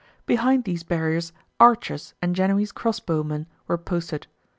Behind these barriers archers and Genoese cross bowmen were posted.